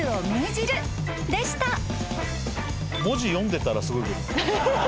文字読んでたらすごいけど。